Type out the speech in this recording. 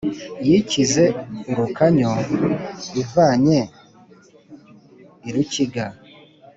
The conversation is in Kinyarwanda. Yikize urukanyu ivanyei rukiga!"